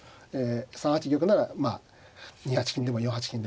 ３八玉なら２八金でも４八金でも。